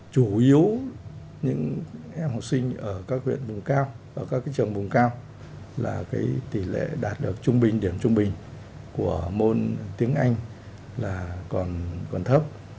chủ yếu những em học sinh ở các trường bùng cao là tỉ lệ đạt được trung bình điểm trung bình của môn tiếng anh là còn thấp